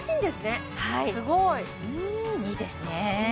すごいいいないいですね